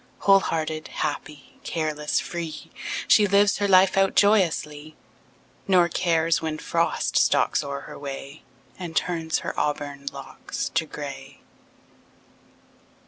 Whole hearted, happy, careless, free, She lives her life out joyously, Nor cares when Frost stalks o'er her way And turns her auburn locks to gray.